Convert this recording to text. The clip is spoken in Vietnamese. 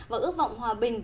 và ước vọng hòa bình